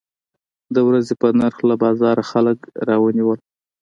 د ورځې په نرخ له بازاره خلک راونیول.